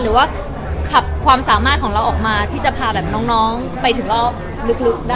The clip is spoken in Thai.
หรือว่าขับความสามารถของเราออกมาที่จะพาแบบน้องไปถึงรอบลึกได้